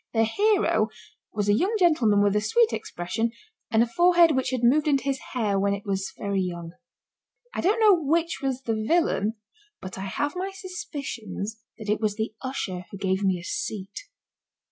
The hero was a young gentleman with a sweet expression and a forehead which had moved into his hair when it was very young. I don't know which was the villain, but I have my suspicions that it was the usher who gave me a seat.